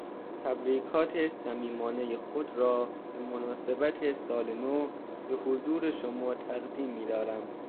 تبریکات صمیمانهٔ خود را به مناسبت سال نو بحضور شما تقدیم میدارم.